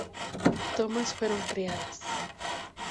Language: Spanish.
Thomas fueron creadas.